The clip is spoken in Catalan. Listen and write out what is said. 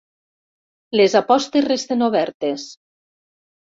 Les apostes resten obertes.